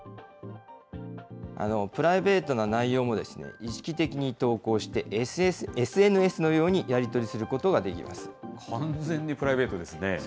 プライベートな内容も意識的に投稿して、ＳＮＳのようにやり取り完全にプライベートですね。